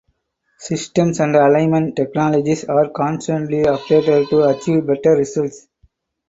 Systems and alignment technologies are constantly updated to achieve better results.